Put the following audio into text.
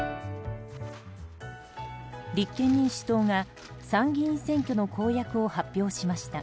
立憲民主党が参議院選挙の公約を発表しました。